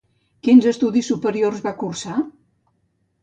Quins estudis superiors va cursar?